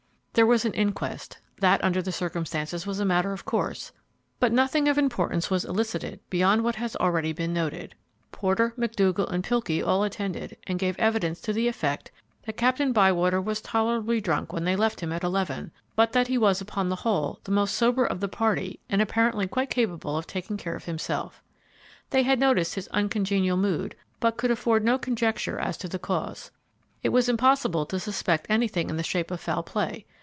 There was an inquest. That, under the circumstances, was a matter of course, but nothing of importance was elicited beyond what has already been noted. Porter, Macdougall and Pilkey all attended, and gave evidence to the effect, that Captain Bywater was tolerably drunk when they left him at eleven, but that he was upon the whole the most sober of the party and appeared quite capable of taking care of himself. They had noticed his uncongenial mood, but could afford no conjecture as to the cause. It was impossible to suspect anything in the shape of foul play.